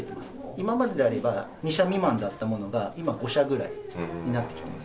今までであれば２社未満だったものが今、５社ぐらいになってきてます。